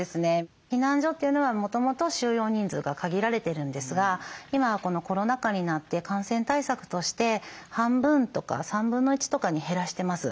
避難所というのはもともと収容人数が限られてるんですが今はコロナ禍になって感染対策として半分とか３分の１とかに減らしてます。